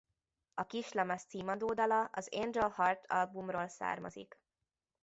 A kislemez címadó dala az Angel Heart albumról származik.